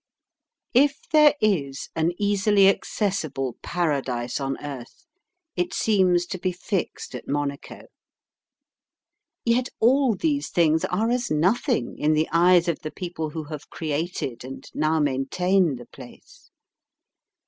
If there is an easily accessible Paradise on earth, it seems to be fixed at Monaco. Yet all these things are as nothing in the eyes of the people who have created and now maintain the place.